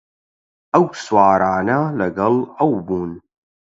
ئەو سوارانە لەگەڵ ئەو بوون